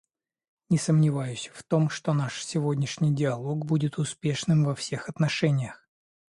Не сомневаюсь в том, что наш сегодняшний диалог будет успешным во всех отношениях.